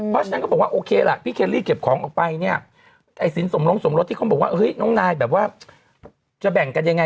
เพราะฉะนั้นก็บอกว่าโอเคล่ะพี่เคลรี่เก็บของออกไปเนี่ยไอ้สินสมรงสมรสที่เขาบอกว่าเฮ้ยน้องนายแบบว่าจะแบ่งกันยังไง